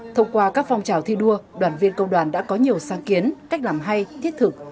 thông qua các phong trào thi đua đoàn viên công đoàn đã có nhiều sáng kiến cách làm hay thiết thực